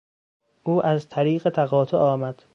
او از طریق تقاطع آمد.